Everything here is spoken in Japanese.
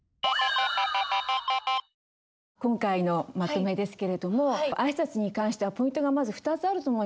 今回のまとめですけれども挨拶に関してはポイントがまず２つあると思います。